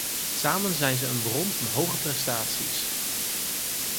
Samen zijn ze een bron van hoge prestaties.